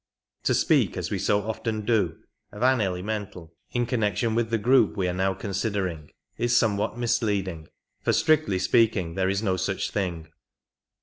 To speak, as we so often do, o(an elemental in connection with the group we are now considering is somewhat mis leading, for strictly speaking there is no such thing.